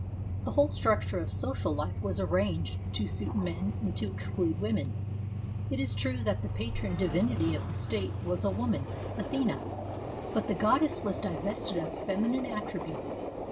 The whole structure of social life was arranged to suit men and to exclude women. It is true that the patron divinity of the state was a woman, Athena, but the goddess was divested of feminine attributes.